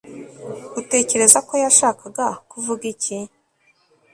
utekereza ko yashakaga kuvuga iki